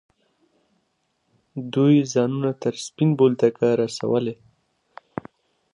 دوی ځانونه تر سپین بولدکه رسولي.